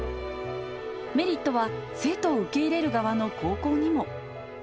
メリットは生徒を受け入れる側の高校にも。